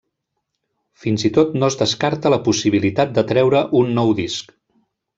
Fins i tot no es descarta la possibilitat de treure un nou disc.